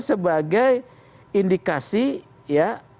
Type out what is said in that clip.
sebagai indikasi ya